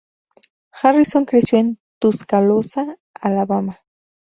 Harrison creció en Tuscaloosa, Alabama.